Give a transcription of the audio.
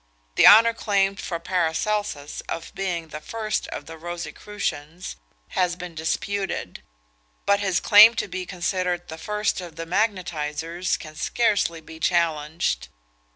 The honour claimed for Paracelsus, of being the first of the Rosicrucians, has been disputed; but his claim to be considered the first of the magnetisers can scarcely be challenged.